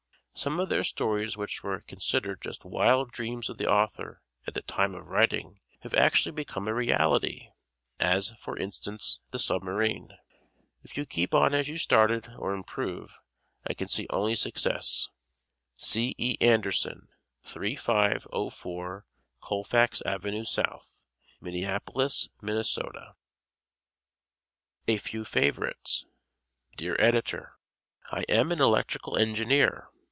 Some of their stories which were considered just wild dreams of the author at the time of writing have actually become a reality, as, for instance, the submarine. If you keep on as you started or improve I can see only success C. E. Anderson, 3504 Colfax Avenue South, Minneapolis, Minn. A Few Favorites Dear Editor: I am an electrical engineer.